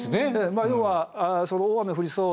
要は大雨降りそうだとか